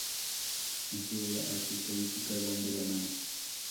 En su obra, arte y política van de la mano.